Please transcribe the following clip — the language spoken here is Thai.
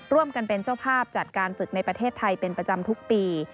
ร่วมกันเป็นเจ้าภาพจัดการฝึกในประเทศไทยเป็นประจำทุกปี